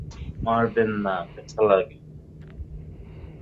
মারবেন না, ব্যাথা লাগে।